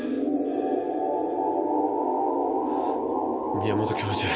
宮本教授